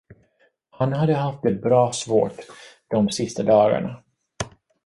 Han hade haft det bra svårt de sista dagarna.